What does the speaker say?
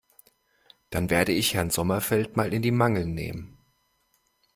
Dann werde ich Herrn Sommerfeld mal in die Mangel nehmen.